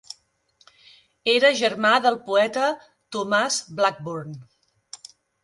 Era germà del poeta Thomas Blackburn.